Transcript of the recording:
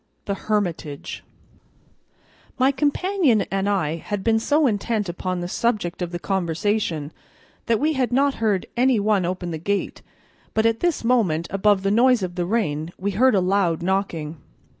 The Hermitage MY COMPANION and I had been so intent upon the subject of the conversation that we had not heard any one open the gate, but at this moment, above the noise of the rain, we heard a loud knocking.